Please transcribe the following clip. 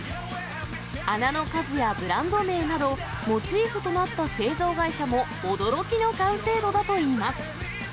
穴の数やブランド名など、モチーフとなった製造会社も驚きの完成度だといいます。